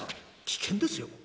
危険ですよ。